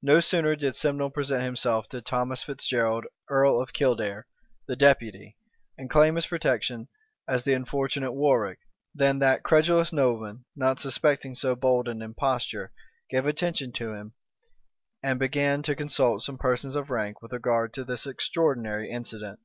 No sooner did Simnel present himself to Thomas Fitzgerald, earl of Kildare, the deputy, and claim his protection as the unfortunate Warwick, than that credulous nobleman, not suspecting so bold an imposture, gave attention to him, and began to consult some persons of rank with regard to this extraordinary incident.